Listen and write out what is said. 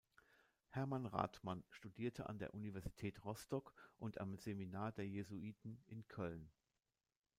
Hermann Rathmann studierte an der Universität Rostock und am Seminar der Jesuiten in Köln.